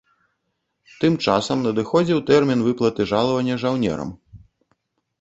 Тым часам надыходзіў тэрмін выплаты жалавання жаўнерам.